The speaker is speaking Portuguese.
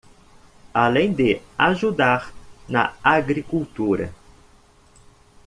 Além de ajudar na agricultura